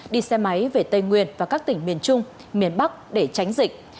đi xe máy về tây nguyên và các tỉnh miền trung miền bắc để tránh dịch